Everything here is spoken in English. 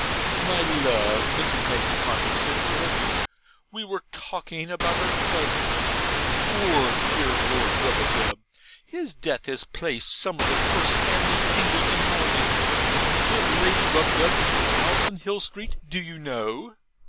'My love,' Mrs. Major Ponto said to her husband, 'we were talking of our cousin poor dear Lord Rubadub. His death has placed some of the first families in England in mourning. Does Lady Rubadub keep the house in Hill Street, do you know?'